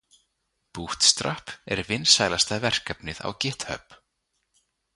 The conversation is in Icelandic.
Bootstrap er vinsælasta verkefnið á Github.